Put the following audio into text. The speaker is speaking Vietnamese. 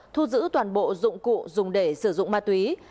thu giữ toàn bộ dụng cụ dùng để sử dụng ma túy